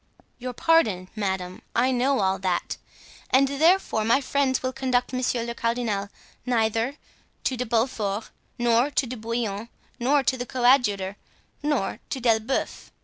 "Your pardon, madame, I know all that. And therefore my friends will conduct monsieur le cardinal neither to De Beaufort, nor to De Bouillon, nor to the coadjutor, nor to D'Elbeuf.